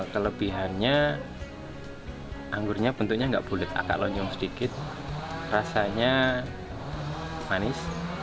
kelebihan nya anggurnya bentuknya tidak bulat agak lonjong sedikit rasanya manis